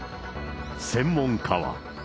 専門家は。